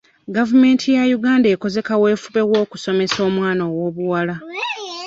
Gavumenti ya Uganda ekoze kaweefube w'okusomesa omwana ow'obuwala.